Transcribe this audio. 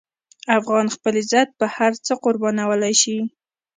افغان خپل عزت په هر څه قربانولی شي.